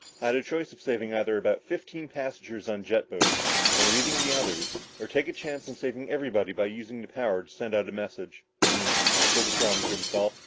"I had a choice of either saving about fifteen passengers on the jet boats, and leaving the others, or take a chance on saving everybody by using the power to send out a message." "Ummmmh," said Strong to himself.